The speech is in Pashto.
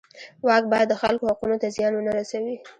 واک باید د خلکو حقونو ته زیان ونه رسوي.